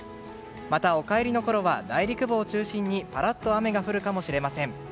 また、お帰りのころは内陸部を中心にぱらっと雨が降るかもしれません。